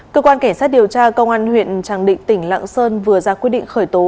cơ quan cảnh sát điều tra công an huyện tràng định tỉnh lạng sơn vừa ra quyết định khởi tố